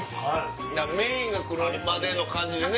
メインが来るまでの感じでね。